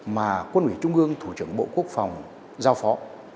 mà quân ủy trung ương thủ trưởng bộ quốc phòng giao phó